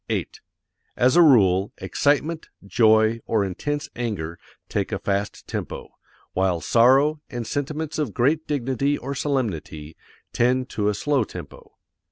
As a rule, excitement, joy, or intense anger take a fast tempo, while sorrow, and sentiments of great dignity or solemnity tend to a slow tempo.